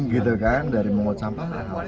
gitu kan dari mengot sampah harus jadi uang